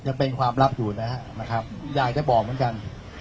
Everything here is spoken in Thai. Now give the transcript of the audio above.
ยังเป็นความลับอยู่นะครับอยากจะบอกเหมือนกัน